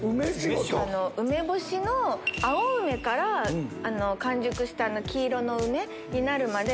梅干しの青梅から完熟した黄色の梅になるまで。